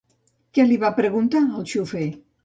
Què li va preguntar al xofer?